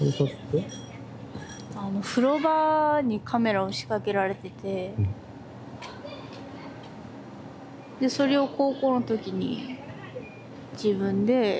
あの風呂場にカメラを仕掛けられててでそれを高校の時に自分で見つけて。